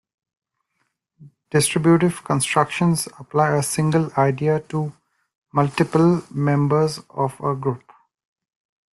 Distributive constructions apply a "single" idea to "multiple" members of a group.